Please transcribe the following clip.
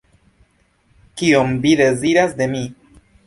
Kion Vi deziras de mi?